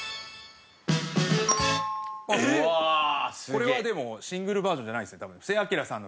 これはでもシングルバージョンじゃないですよね多分。